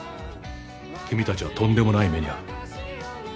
君たちはとんでもない目に遭う。